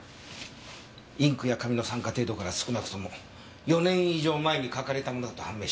インクや紙の酸化程度から少なくとも４年以上前に書かれたものだと判明した。